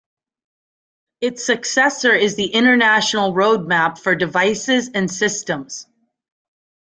Its successor is the International Roadmap for Devices and Systems.